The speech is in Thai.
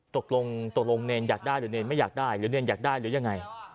ตกลงตกลงเนรอยากได้หรือเนรไม่อยากได้หรือเนรอยากได้หรือยังไง